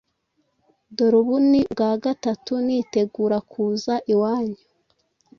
Dore ubu ni ubwa gatatu nitegura kuza iwanyu: